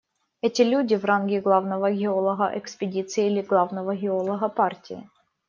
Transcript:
Эти люди в ранге главного геолога экспедиции или главного геолога партии.